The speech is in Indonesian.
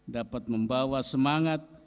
dapat membawa semangat